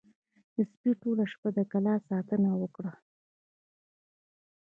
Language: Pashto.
د سپي ټوله شپه د کلا ساتنه وکړه.